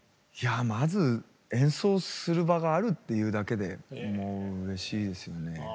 まず演奏する場があるっていうだけでもううれしいですよね。